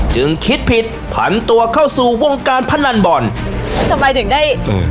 จึงคิดผิดพันตัวเข้าสู่วงการพนันบอลทำไมถึงได้อืม